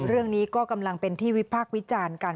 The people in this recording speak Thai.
เรื่องนี้ก็กำลังเป็นที่วิพากษ์วิจารณ์กัน